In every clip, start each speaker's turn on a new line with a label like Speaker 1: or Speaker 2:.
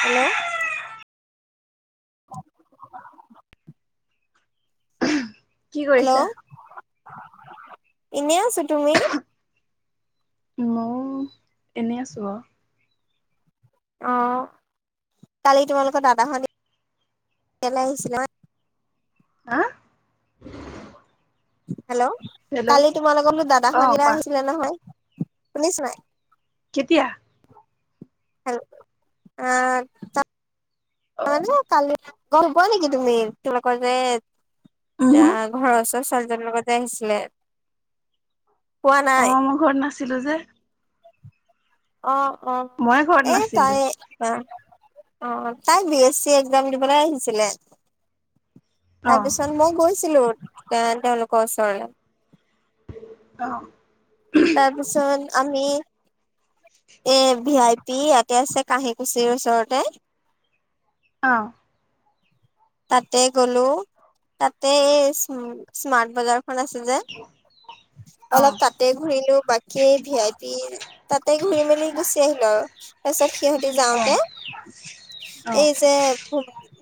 Speaker 1: Hello [unintelligible]
Speaker 2: কি কৰিছা?
Speaker 1: Hello এনেই আছো তুমি
Speaker 2: মই এনেই আছো
Speaker 1: আহ কালি তোমালোকৰ দাদা শ [unintelligible]
Speaker 2: হা
Speaker 1: হেল্ল'
Speaker 2: হেল্ল'
Speaker 1: কালি তোমাৰ লগতো দাদা
Speaker 2: অ
Speaker 1: সন্দিয়া
Speaker 2: কোৱা।
Speaker 1: আহিছিলে নহয় শুনিছ নাই
Speaker 2: কেতিয়া
Speaker 1: আহ অ ন কাল ঘবোৱা নেকি তুমি তলোক যে এতিয়া
Speaker 2: উহো
Speaker 1: ঘৰৰ ওচৰত ছোৱালীজনৰ লগতে আহিছিলে পোৱা নাই
Speaker 2: অ মই ঘৰত নাছিলো যে
Speaker 1: অ অ
Speaker 2: মই ঘৰত
Speaker 1: এ
Speaker 2: নাছিলো।
Speaker 1: তাই অ অ তাই বি এছ চি একজাম দিবলে আহিছিলে
Speaker 2: অ
Speaker 1: তাৰপিছত মও গৈছিলো এ তেওঁলোকৰ ওচৰলে
Speaker 2: অহ
Speaker 1: তাৰপিছত আমি এ ভি আই পি ইয়াতে আছে কাঁহী কুছিৰ ওচৰতে
Speaker 2: অ
Speaker 1: তাতে গ'লো তাতে স্মাৰ্ট বজাৰ খন আছে যে
Speaker 2: অ
Speaker 1: অলপ তাতে ঘুৰিলো বাকী ভি আই পি তাতে ঘুৰি মেলি গুচি আহিলো আৰু তাৰপিছত সিহঁতি
Speaker 2: অ অ
Speaker 1: যাওঁতে এই যে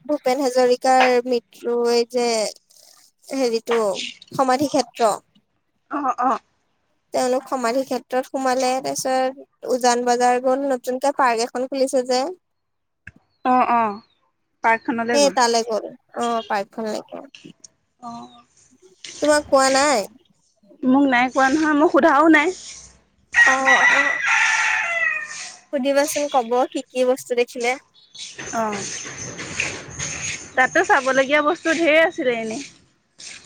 Speaker 1: ভূপেন হাজৰিকা কাৰ মৃত্যুৰ সেই যে হেৰিটো সমাধি ক্ষেত্ৰ
Speaker 2: অহ অ
Speaker 1: তেওঁলোক সমাধি ক্ষেত্ৰত সোমালে তাৰপিছত উজান বজাৰ গ'ল নতুনকে পাৰ্ক এখন খুলি ছে যে
Speaker 2: অ অ অ পাৰ্কখনলৈ
Speaker 1: সেই
Speaker 2: গ'ল।
Speaker 1: তালে গ'ল অ পাৰ্কখন লেকে
Speaker 2: অ
Speaker 1: তোমাক কোৱা নাই
Speaker 2: মোক নাই কোৱা নহয় মই সোধাও নাই
Speaker 1: অ অ সুধিবাচোন ক'ব কি কি বস্তু দেখিলে
Speaker 2: অঁ তাটো চাবলগীয়া বস্তু ঢ়েই আছিলে এনেই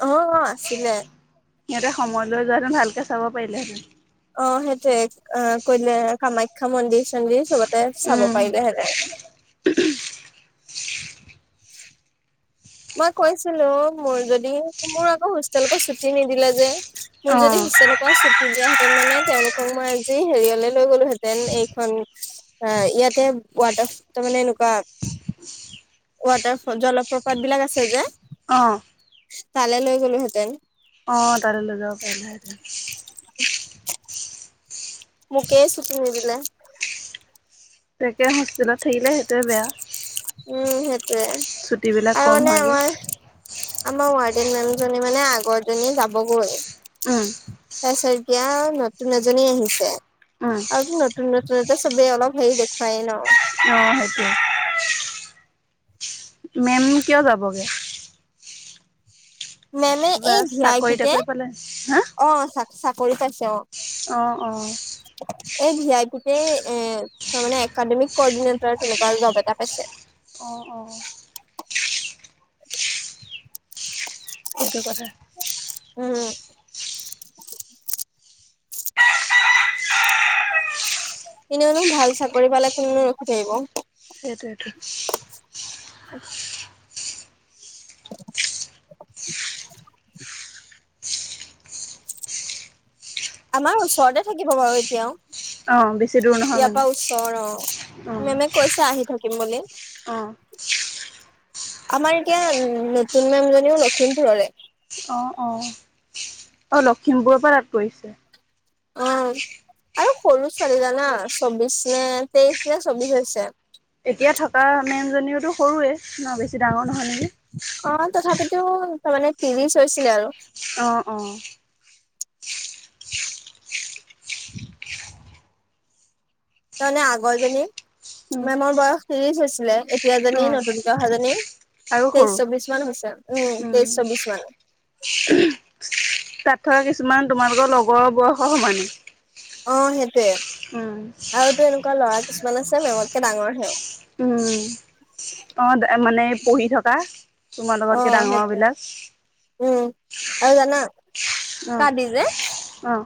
Speaker 1: অঁ, অঁ আছিলে।
Speaker 2: সিহঁতে সময় লৈ যোৱাহেঁতেন ভালকে চাব পাৰিলেহেঁতেন।
Speaker 1: অঁ সেইটোৱে, অঁ কইলে কামাখ্যা মন্দিৰ চন্দিৰ চবতে চাব
Speaker 2: উম
Speaker 1: পাৰিলেহেঁতেন। [inaudible] মই কৈছিলো, মোৰ যদি মোৰ আকৌ হোষ্টেল পা ছুটি নিদিলে যে মোৰ
Speaker 2: অ
Speaker 1: যদি হোষ্টেল পা ছুটি দিয়াহেঁতেন, মানে তেওঁলোকক মই আজি হেৰিয়লে লৈ গলোহেঁতেন, এইখন এ ইয়াতে ৱাটাৰ মানে এনেকুৱা
Speaker 2: [inaudible]
Speaker 1: ৱাটাৰফল, জলপ্ৰপাত বিলাক আছে যে।
Speaker 2: অঁ
Speaker 1: তালে লৈ গ'লোহেঁতেন।
Speaker 2: তালৈ লৈ যাব পাৰিলেহেঁতেন।
Speaker 1: [inaudible] মোকেই ছুটি নিদিলে।
Speaker 2: তাকে হোষ্টেলত থাকিলে সেইটোৱে বেয়া,
Speaker 1: উম সেইটোয়ে
Speaker 2: ছুটিবিলাক
Speaker 1: আৰু
Speaker 2: কম
Speaker 1: মানে
Speaker 2: হ'য় যে।
Speaker 1: আমাৰ আমাৰ ৱাৰ্ডেন মেমজনী মানে আগৰ জনী যাবগৈ।
Speaker 2: উম
Speaker 1: তাৰপিছত এতিয়া নতুন এজনী আহিছে।
Speaker 2: উম
Speaker 1: আৰু নতুন নতুনতে চবে অলপ হেৰি দেখুৱায়ে ন।
Speaker 2: অ সেইটোৱে উম, কিয় যাবগে?
Speaker 1: মেমে
Speaker 2: কিবা
Speaker 1: এই ভি আই
Speaker 2: চাকৰি
Speaker 1: পিতে,
Speaker 2: তাকৰি পালে
Speaker 1: অঁ চা চাকৰি পাইছে। অঁ
Speaker 2: অঁ, অঁ
Speaker 1: এই ভি আই পিতে, এ তাৰ মানে একাডেমিক কৰ্ডিনেটৰ, তেনেকুৱা জব এটা পাইছে।
Speaker 2: অঁ, অঁ সেইটো কথা।
Speaker 1: উম এনেওনো ভাল চাকৰি পালে কুনেনো ৰখি থাকিব
Speaker 2: সেইটোৱে টো
Speaker 1: উম। [inaudible] [unintelligible] আমাৰ ওচৰতে থাকিব বাৰু এতিয়াও
Speaker 2: অ বেছি দূৰ নহয় মানে
Speaker 1: ইয়াৰপৰা ওচৰ অঁ,
Speaker 2: অ
Speaker 1: মেমে কৈছে আহি থাক। কিম বুলি।
Speaker 2: অ
Speaker 1: আমাৰ এতিয়া, নতুন মেমজনীও লখিমপুৰৰে।
Speaker 2: অঁ, লখিমপুৰৰ পৰা তাত গৈছে।
Speaker 1: অ আৰু সৰু ছোৱালী জানা? চৌবিশ নে তেইশ নে চৌবিশ হৈছে।
Speaker 2: এতিয়া থকা মেম্‌জনীওটো সৰুৱে ন'বেছি ডাঙৰ নহয় নেকি?
Speaker 1: ইউ তাৰমানে ত্ৰিৰিশ হৈছিলে আৰু
Speaker 2: অঁ অঁ
Speaker 1: তাৰমানে আগৰজনী
Speaker 2: উম
Speaker 1: মেমৰ বয়স ত্ৰিশ হৈছিলে। এতিয়া
Speaker 2: অ
Speaker 1: জনি, নতুনকে অহাজনি।
Speaker 2: আৰু সৰু
Speaker 1: তেইশ চৌবিছ মান হৈছে। উম তেইশ চৌবিছ মান।
Speaker 2: তাত থকা কিছুমান তোমালোকৰ লগৰ বয়সৰ সমান।
Speaker 1: অঁ সেইটোৱে আৰুটো এনেকুৱা ল'ৰা কিছুমান আছে মেমতকে ডাঙৰহে
Speaker 2: উম--অঁ, এম--মানে পঢ়ি থকা। তোমাৰ
Speaker 1: অ
Speaker 2: লোকতকে ডাঙৰ
Speaker 1: সেইটোৱে
Speaker 2: বিলাক।
Speaker 1: উম, হ'য় জানা?
Speaker 2: অঁ,
Speaker 1: কালি যে
Speaker 2: অঁ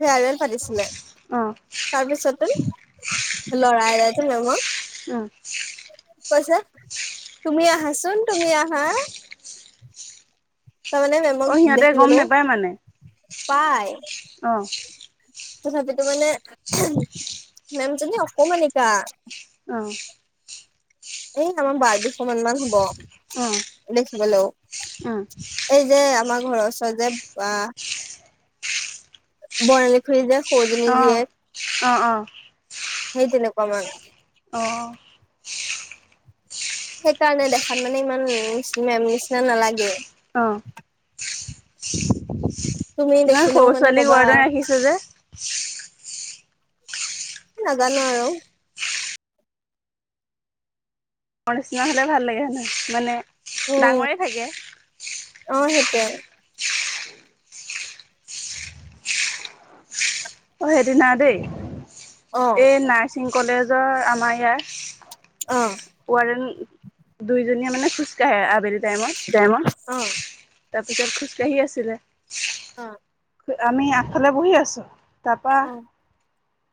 Speaker 1: ফেয়াৰৱেল পাতিছিলে,
Speaker 2: অ
Speaker 1: তাৰপিছত তুঁন ল'ৰা এটাই যে মেমক
Speaker 2: উম
Speaker 1: কৈছে তুমি আহাচোন তুমি আহা তাৰমানে মেমক
Speaker 2: অ সিহঁতে গম
Speaker 1: দেখিবলৈও
Speaker 2: নোপায় মানে অ
Speaker 1: তথাপো মানে মেম জনী অকনমানিকা
Speaker 2: অ
Speaker 1: এই আমাৰ বাৰ বিশ মান হ'ব। দেখিবলেও
Speaker 2: উম
Speaker 1: এই যে আমাৰ ঘৰত চত যে বা বৰ্ণালী খুৰী যে সৰু জনী
Speaker 2: অ
Speaker 1: জীয়েক
Speaker 2: অ অ অ
Speaker 1: সেই তেনেকুৱা অকণমান
Speaker 2: অ
Speaker 1: সেইকাৰণে দেখাত মানে ইমান মেম নিচিনা নালাগে।
Speaker 2: অ
Speaker 1: তুমি
Speaker 2: কিমান
Speaker 1: দেখিলেও
Speaker 2: সৰু
Speaker 1: মানে
Speaker 2: ছোৱালী
Speaker 1: কবা
Speaker 2: ওৱাৰ দেন ৰাখিছে যে।
Speaker 1: নাজানো আৰু
Speaker 2: নিচিনা হ'লে ভাল লাগে হয় নহয় মানে ডাঙৰেই থাকে।
Speaker 1: টেগ
Speaker 2: অ সেইদিনা দেই
Speaker 1: অ
Speaker 2: এই নাৰ্ছিং কলেজৰ আমাৰ এয়াৰ।
Speaker 1: অ
Speaker 2: ওৱাৰ দেন দুইজনীয়ে মানে খোজকাঢ়ে আবেলি। টাইমত
Speaker 1: তাইমত
Speaker 2: তাৰপিছত খোজকাঢ়ি আছিলে।
Speaker 1: অ
Speaker 2: আমি আগফালে বহি আছোঁ তাপা
Speaker 1: অ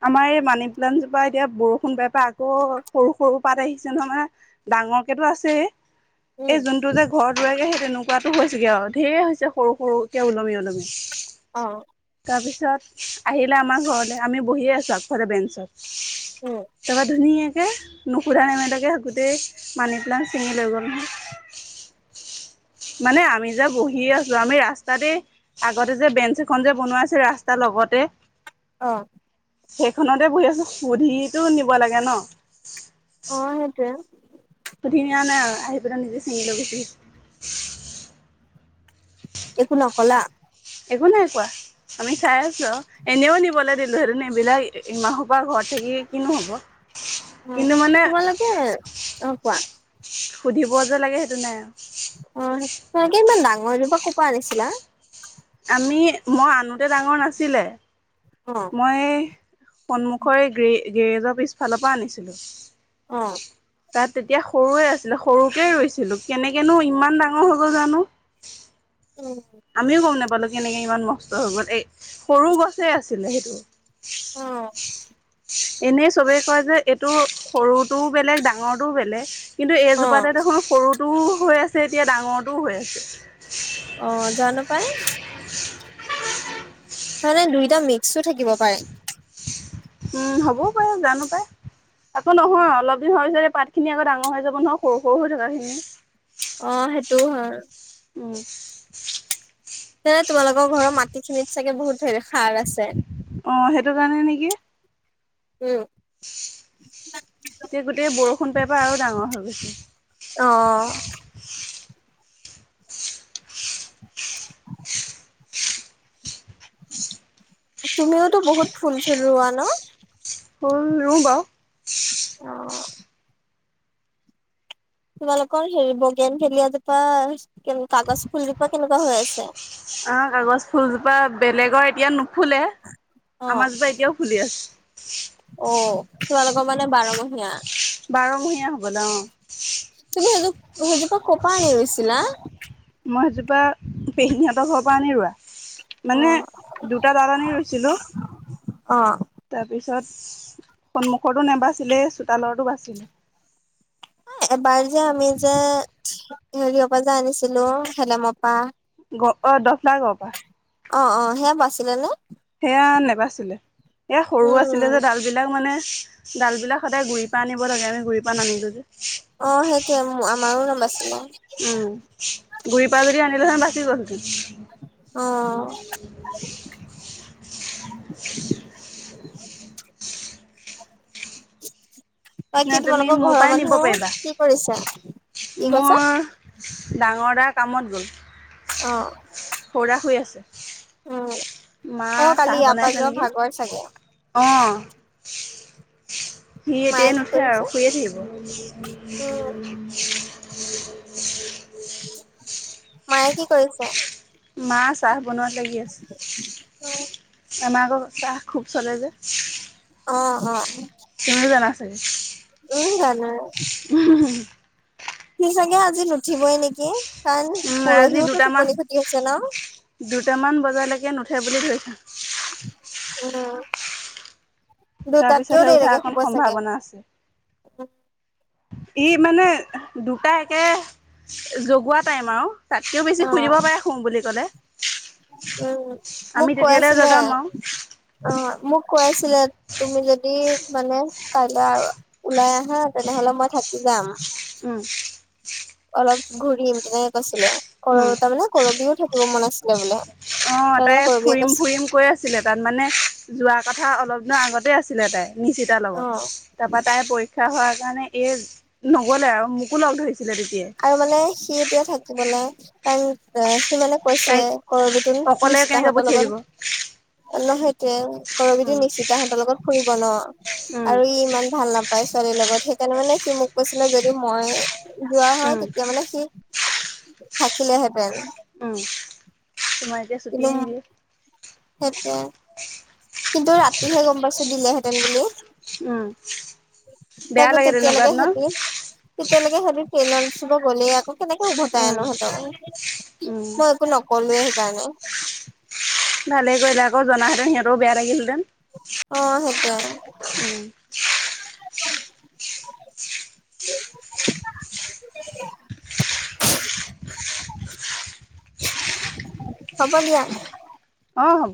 Speaker 2: আমাৰ এই মানি প্লানট জোপা এতিয়া বৰষুণ পাই পাই আকৌ সৰু সৰু পাত আহিছে নহয়। মানে ডাঙৰ ডাঙৰকেটো আছে
Speaker 1: উম
Speaker 2: এই যোনতটো যে ঘৰত ৰুৱে গে তেনেকুৱাতো হৈ হৈছেগে আও ধঢেৰ হৈছে সৰু সৰুকে ওলমি ওলমি
Speaker 1: অ
Speaker 2: তাৰপিছত আহিলে আমাৰ ঘৰলে আমি বহি আছোঁ আগফলে বেঞ্চত।
Speaker 1: উম
Speaker 2: তাপা ধুনিয়াকে নুশুধা নেমিলকে গোটেই মানি প্লেট ছিঙি লৈ গ'ল নহয়। মানে আমি যে বহি আছো আমি ৰাস্তাতে আগতে যে বেঞ্চ খন যে বনোৱাইছো ৰাস্তা লগতে
Speaker 1: অ
Speaker 2: সেইখনতে বহি আছো সুধিটো নিব লাগে ন
Speaker 1: অ সেইটোৱে
Speaker 2: সুধিনিয়া নাই আহি পিনে নিজ চিঙি লৈ গৈছে সি
Speaker 1: একো নকলা?
Speaker 2: একো নাই কোৱা আমি চাই আছো আউ এনেও নিবলে দিলো হেতেন এইবিলাক ইমান হুপা ঘৰত থাকি কি কিনো হ'ব।
Speaker 1: অ
Speaker 2: কিন্তু মানে
Speaker 1: তোমালোকে অ কোৱা
Speaker 2: সুধিব যে লাগে সেইটো নাই
Speaker 1: অ তকে ইমান ডাঙৰ জোপা কৰ পৰা আনিছিলা?
Speaker 2: আমি মই আনোতে ডাঙৰ নাছিলে
Speaker 1: অ
Speaker 2: মই সন্মুখৰে গি গেৰেজৰ পিছফালৰ পৰা আনিছিলো।
Speaker 1: অ
Speaker 2: তাত তেতিয়া সৰুৱে আছিলে সৰুকে ৰুইছিলো কেনেকেনো ইমান ডাঙৰ হয় গল জানো [unintelligible]
Speaker 1: উম
Speaker 2: আমিও গম নোপালো কেনেকে ইমান মষ্ট হৈ গ'ল এ সৰু গছে আছিলে সেইটো
Speaker 1: অ
Speaker 2: [inaudible] এনেই চবেই কয় যে এইটো সৰুটোও বেলেগ ডাঙৰটোও বেলেগ কিন্তু
Speaker 1: অ
Speaker 2: এজোপাতে দেখোন সৰুটোও হৈ আছে এতিয়া ডাঙৰটোও হৈ আছে
Speaker 1: অ জানো পাই মানে দুইটা মিক্সো থাকিব পাৰে
Speaker 2: উম হ'বও পাৰে জানো পাই আকৌ নহয় অলপ দিন হোৱাৰ পিছত পাত খিনি আকৌ ডাঙৰ হৈ যাব নহয় সৰু সৰু হৈ থকা খিনি
Speaker 1: অ সেইটোও হয়
Speaker 2: উ
Speaker 1: তেনে তোমালোকৰ ঘৰৰ মাটিখিনিত চাগে বহুত ধেৰ সাৰ আছে
Speaker 2: অ সেইটো কাৰণে নেকি
Speaker 1: উম
Speaker 2: এতিয়া গোটেই বৰষুণ পাই পাই আৰু ডাঙৰ হৈ গৈছে
Speaker 1: অ তুমিওতো বহুত ফুল চুল ৰোৱা ন
Speaker 2: ফুল ৰো বাউ
Speaker 1: অ'। তোমালোকৰ হেৰি বগেন ভেলিয়া জোপা কে কাগজ ফুলজোপা কেনেকুৱা হৈ আছে
Speaker 2: অ কাগজ ফুলজোপা বেলেগৰ এতিয়া নুফুলে
Speaker 1: অ',
Speaker 2: আমাৰজোপা এতিয়াও ফুলি আছে
Speaker 1: অ', তোমালোকৰ মানে বাৰমহীয়া
Speaker 2: বাৰমহীয়া হ'ব ন
Speaker 1: তুমি এজো এজোপা কপা আনি ৰুইছিলা?
Speaker 2: পা পেহীহেতৰ ঘৰ পৰা আনি ৰোৱা মানে
Speaker 1: অ',
Speaker 2: দুটা দাল আনি ৰুইছিলো
Speaker 1: অ
Speaker 2: তাৰপিছত সন্মুখটো নাবাচিলে চোতালৰটো বাচিলে
Speaker 1: এবাৰ যে আমি যে হেৰিয় পৰা যে আনিছিলো খেলেমৰ পৰা
Speaker 2: গ অ দহ লা গপা
Speaker 1: অ অ সেয়া বাছিলে নে?
Speaker 2: সেয়া নেবাছিলে সেয়া সৰু আছিলে
Speaker 1: উম,
Speaker 2: যে ডাল বিলাক মানে ডালবিলাক সদায় গুৰি পা আনিব লাগে আমি গুৰিৰ পৰা নানিলোঁ যে
Speaker 1: অ সেইটোয়ে আ আমাৰো নবাছিলে।
Speaker 2: সেইটো সেন বাচি গ'ল হেতিন
Speaker 1: অ' [unintelligible] উ [unintelligible]
Speaker 2: নে
Speaker 1: বাকি
Speaker 2: তুমি
Speaker 1: তোমালোকৰ
Speaker 2: মোৰ
Speaker 1: ঘৰৰ
Speaker 2: পৰাই নিব
Speaker 1: মানুহ
Speaker 2: পাৰিবা
Speaker 1: কি কৰিছে? কি কৈছা?
Speaker 2: মোৰ ডাঙৰ দা কামত গ'ল।
Speaker 1: অ'
Speaker 2: সৰু দা শুই আছে।
Speaker 1: উম
Speaker 2: মা
Speaker 1: অ কালি
Speaker 2: চাহ
Speaker 1: ইয়াৰ
Speaker 2: বনাই
Speaker 1: পৰা
Speaker 2: আছে
Speaker 1: যোৱা
Speaker 2: নেকি
Speaker 1: ভাগৰ চাগে
Speaker 2: অ' [unintelligible] সি
Speaker 1: মায়ে
Speaker 2: এতিয়াই
Speaker 1: কি
Speaker 2: নুঠে আৰু
Speaker 1: কৰিছে
Speaker 2: শুইয়ে থাকিব। উ
Speaker 1: উম
Speaker 2: [unintelligible]
Speaker 1: মায়ে কি কৰিছে।
Speaker 2: মা চাহ বনোৱাত লাগি
Speaker 1: অ
Speaker 2: আছে। আমাৰ আক চাহ খুব চলে যে
Speaker 1: অ' অ'
Speaker 2: তুমিও জনা চাগে।
Speaker 1: উম জনো। সি চাগে আজি নুঠিবই নেকি কাৰণ
Speaker 2: উম, আজি
Speaker 1: পৰহিওতটো টোপনি খটি হৈছে ন।
Speaker 2: তামান কেইটামান বজালৈকে নুঠে বুলি ধৰিছা।
Speaker 1: উম দুটাতকেও
Speaker 2: তাৰপিছতহে
Speaker 1: দেৰি
Speaker 2: উঠা
Speaker 1: লাগে
Speaker 2: অকণ
Speaker 1: শুব চাগে।
Speaker 2: সম্ভাৱনা আছে। ই মানে দুটা একে জগোৱা টাইম আৰু তাতকৈও
Speaker 1: অ
Speaker 2: বেছি শুই দিব পাৰে শু বুলি ক'লে।
Speaker 1: উম মোক
Speaker 2: আমি
Speaker 1: কৈ
Speaker 2: তেতিয়ালৈ
Speaker 1: আছিলে
Speaker 2: জগাম আৰু
Speaker 1: অ' মোক কৈ আছিলে তুমি যদি মানে কাইলৈ ওলাই আহা তেনেহলে মই থ যাম।
Speaker 2: উম।
Speaker 1: অলপ ঘূৰিম তেনেকে কৈছিলে কৰ
Speaker 2: উম,
Speaker 1: তাৰ মানে কৰবিও থাকিব মন আছিলে বোলে।
Speaker 2: অ'
Speaker 1: তাৰমানে
Speaker 2: তাই
Speaker 1: কৰবিয়ে
Speaker 2: ফুৰিম
Speaker 1: কৈছে
Speaker 2: ফুৰিম কৈ আছিলে তাত মানে যোৱা। কথা অলপ দিনৰ আগতে আছিলে তাই নিচিতাৰ লগত।
Speaker 1: অ'।
Speaker 2: তাৰ পৰা তাইৰ পৰীক্ষা হোৱাৰ কাৰণে এই নগলে আৰু মোকো লগ ধৰিছে।
Speaker 1: আৰু মানে সি এতিয়া থাকিবলৈ কাৰণ এ সি মানে কৈছে
Speaker 2: তাইক
Speaker 1: কৰবি ত
Speaker 2: অকলে কেনেকে
Speaker 1: নিচিতাহঁতৰ
Speaker 2: পঠিয়াই
Speaker 1: লগত
Speaker 2: দিব
Speaker 1: ন সেইটোৱে। কৰবিতো
Speaker 2: উম,
Speaker 1: নিশ্চিতাহঁতৰ লগত ফুৰিব ন
Speaker 2: উম,
Speaker 1: আৰু ই ইমান ভাল নাপ পাই ছোৱালীৰ লগত সেই কাৰনে মানে সি মোক কৈছিলে যদি মই যোৱা হয়।
Speaker 2: উম,
Speaker 1: তেতিয়া মানে সি থাকিলেহেঁতেন।
Speaker 2: উম। তোমাৰ এতিয়া ছুটিয়ে নিদিয়ে।
Speaker 1: সেইটোয়ে। কিন্তু ৰাতিহে গম পাইছো দিলেহেঁতেন বুলি।
Speaker 2: উম বেয়া
Speaker 1: তাকে
Speaker 2: লাগে তেনেকুৱা
Speaker 1: তেতিয়ালৈকে
Speaker 2: ন
Speaker 1: খেতি তেতিয়ালৈকে খেতি ন শুভ গ'লে আকৌ কেনেকে
Speaker 2: উম
Speaker 1: উভতাইনো
Speaker 2: উম
Speaker 1: সেইতক মই একো নকলোৱৱে সেইকাৰণে
Speaker 2: ভালে কৰিলে আকৌ জনাহেতেন সিহঁতও বেয়া লাগিলেঁতেন।
Speaker 1: অ' সেইটোয়ে।
Speaker 2: উম [inaudible] [inaudible]
Speaker 1: হ'ব দিয়া।
Speaker 2: অ' হ'ব।